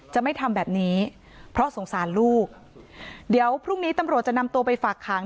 จะไม่ทำแบบนี้เพราะสงสารลูกเดี๋ยวพรุ่งนี้ตำรวจจะนำตัวไปฝากขัง